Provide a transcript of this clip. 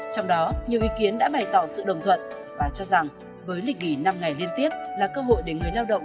trong đó nhiều ý kiến đã bày tỏ sự đồng thuận và cho rằng với lịch nghỉ năm ngày liên tiếp là cơ hội để người lao động